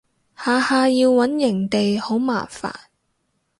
下下要搵營地好麻煩